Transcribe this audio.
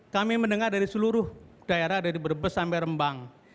kami mendengar dari seluruh daerah dari brebes sampai rembang